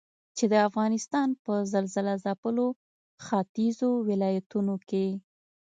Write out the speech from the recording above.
چې د افغانستان په زلزلهځپلو ختيځو ولايتونو کې